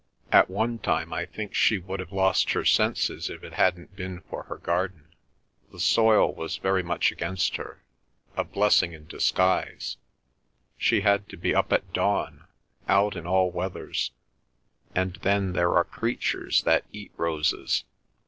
At one time I think she would have lost her senses if it hadn't been for her garden. The soil was very much against her—a blessing in disguise; she had to be up at dawn—out in all weathers. And then there are creatures that eat roses.